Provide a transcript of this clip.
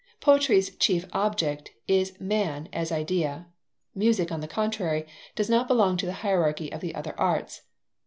Poetry's chief object is man as idea. Music, on the contrary, does not belong to the hierarchy of the other arts.